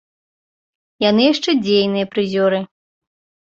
Яны яшчэ дзейныя прызёры.